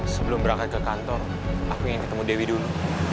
sebelum berangkat ke kantor aku ingin ketemu dewi dulu